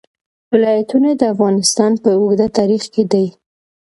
ولایتونه د افغانستان په اوږده تاریخ کې دي.